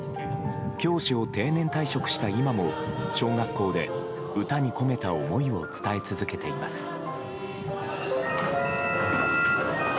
教師を定年退職した今も小学校で歌に込めた思いを伝え続けています。